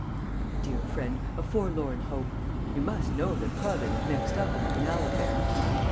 My dear friend, a forlorn hope.... You must know that Prasville is mixed up in the Canal affair!